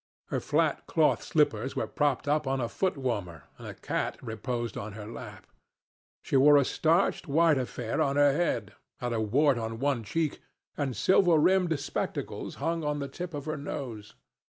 Her flat cloth slippers were propped up on a foot warmer, and a cat reposed on her lap. She wore a starched white affair on her head, had a wart on one cheek, and silver rimmed spectacles hung on the tip of her nose.